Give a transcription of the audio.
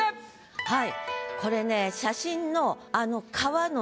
はい。